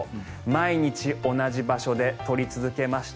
毎日同じ場所で撮り続けました。